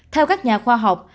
theo các nhà khoa học